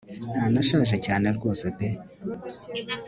ntanashaje cyane rwose pe